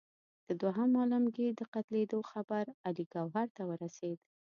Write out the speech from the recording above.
د دوهم عالمګیر د قتلېدلو خبر علي ګوهر ته ورسېد.